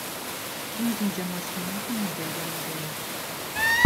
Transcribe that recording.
این جوجه ماشینیا که مدل به مدل